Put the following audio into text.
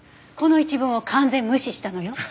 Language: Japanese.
この一文を完全無視したのよ。